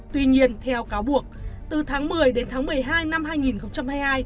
tuy nhiên theo cáo buộc từ tháng một mươi đến tháng một mươi hai năm hai nghìn hai mươi hai